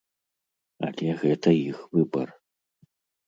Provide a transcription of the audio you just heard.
Але гэта іх выбар.